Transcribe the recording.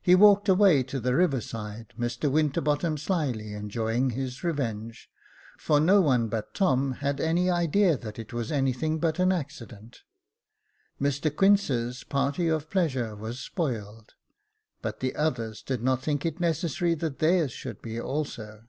He walked away to the river side, Mr Winterbottom slily enjoying his revenge, for no one but Tom had an idea that it was anything but an accident. Mr Quince's party of pleasure was spoiled, but the others did not think it necessary that theirs should be also.